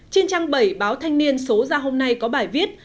trên trang bảy báo thanh niên số ra hôm nay có bài viết